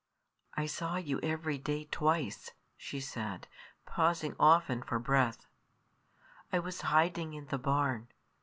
"I saw you every day twice," she said, pausing often for breath; "I was hiding in the barn.